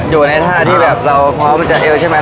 อยู่ในท่าที่แบบเราพร้อมจะเอวใช่ไหม